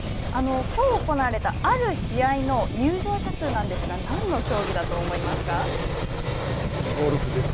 きょう行われた、ある試合の入場者数なんですが、何だと思いますか。